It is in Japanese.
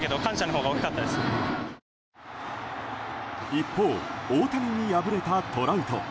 一方、大谷に敗れたトラウト。